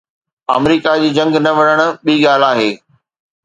آمريڪا جي جنگ نه وڙهڻ ٻي ڳالهه آهي.